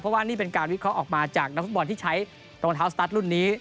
เพราะว่านี่เป็นการวิเคราะห์ออกมาจากนักฟุตบอลที่ใช้รองเท้าสตัสรุ่นนี้